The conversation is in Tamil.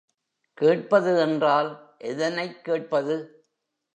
கேட்பது என்றால் எதனைக் கேட்பது?